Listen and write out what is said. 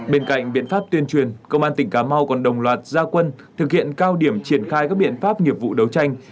bên cạnh biện pháp tuyên truyền công an tỉnh cà mau còn đồng loạt gia quân thực hiện cao điểm triển khai các biện pháp nghiệp vụ đấu tranh